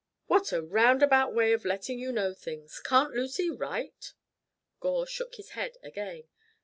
"What a roundabout way of letting you know things. Can't Lucy write?" Gore shook his head again.